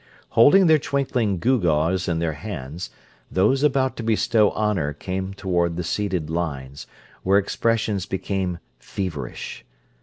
Holding their twinkling gewgaws in their hands, those about to bestow honour came toward the seated lines, where expressions became feverish.